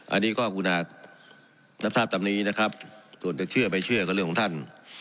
อันนี้ก็คุณจะราชรับตรงนี้นะครับส่วนที่เชื่อไปเชื่อก็เรื่องของท่าน